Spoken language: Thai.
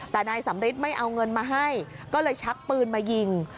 แต่นายสำริทไม่เอาเงินมาให้ก็เลยชักปืนมายิง